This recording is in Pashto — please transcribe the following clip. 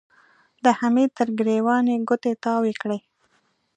د حميد تر ګرېوان يې ګوتې تاوې کړې.